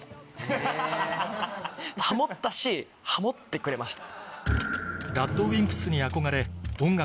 ハモったしハモってくれました。